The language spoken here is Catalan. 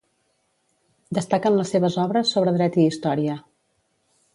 Destaquen les seves obres sobre Dret i Història.